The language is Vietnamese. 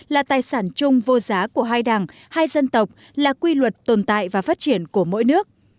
là tài sản chung vô giá của hai đảng hai dân tộc là quy luật tồn tại và phát triển của mỗi nước